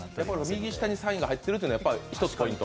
右下にサインが入っているのが１つポイント。